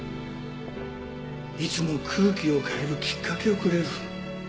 いつも空気を変えるきっかけをくれる。